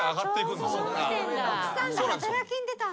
奥さんが働きに出たんだ。